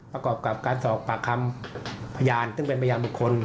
ประกอบกับการสอบปากคำพยานซึ่งเป็นพยานบุคคล